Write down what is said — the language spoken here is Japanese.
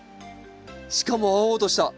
しかも青々とした。